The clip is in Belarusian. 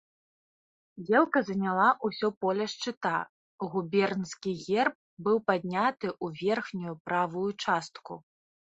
Елка заняла ўсё поле шчыта, губернскі герб быў падняты ў верхнюю правую частку.